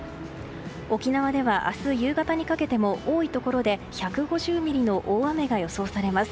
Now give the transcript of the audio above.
沖縄では明日夕方にかけても多いところで１５０ミリの大雨が予想されます。